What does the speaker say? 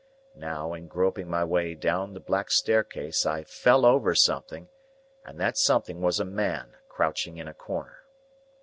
Now, in groping my way down the black staircase I fell over something, and that something was a man crouching in a corner.